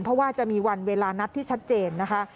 เพราะว่าจะมีวันเวลานัดที่ชัดเจนนะคะ